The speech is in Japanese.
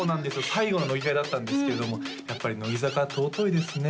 最後の乃木回だったんですけれどもやっぱり乃木坂は尊いですね